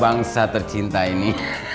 bangsa tercinta ini